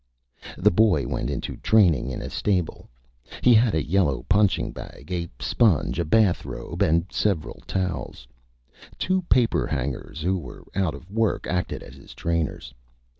The boy went into Training in a Stable. He had a yellow Punching Bag, a Sponge, a Bath Robe and several Towels. Two Paper Hangers who were out of Work acted as his Trainers.